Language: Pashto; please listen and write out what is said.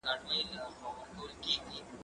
هغه وويل چي ليکلي پاڼي مهم دي،